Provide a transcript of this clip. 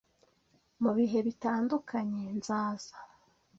mu bihe bitandukanye nzaza